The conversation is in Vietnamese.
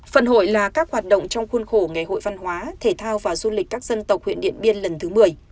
phần hội là các hoạt động trong khuôn khổ ngày hội văn hóa thể thao và du lịch các dân tộc huyện điện biên lần thứ một mươi